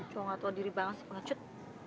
coba gak tau diri banget sih pengecut